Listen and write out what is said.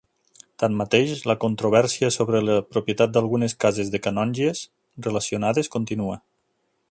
Tanmateix, la controvèrsia sobre la propietat d'algunes cases de canongies relacionades, continua.